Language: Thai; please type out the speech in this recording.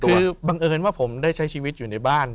คือบังเอิญว่าผมได้ใช้ชีวิตอยู่ในบ้าน